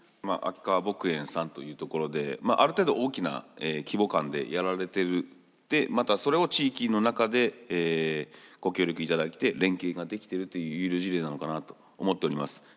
まあ秋川牧園さんという所である程度大きな規模感でやられているでまたそれを地域の中でご協力いただいて連携ができているという優良事例なのかなと思っております。